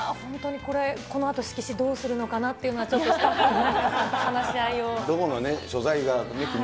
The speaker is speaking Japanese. いやー、本当にこれ、このあと色紙どうするのかなっていうのは、ちょっとスタッフの皆さんと話し合いを。